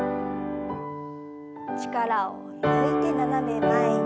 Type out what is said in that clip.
力を抜いて斜め前に。